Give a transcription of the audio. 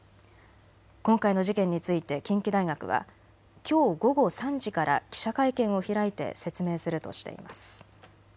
今回の事件について近畿大学はきょう午後３時から記者会見を開いて説明するとしています。